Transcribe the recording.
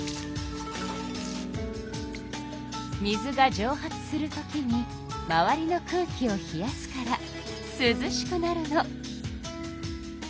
水がじょう発する時に周りの空気を冷やすからすずしくなるの。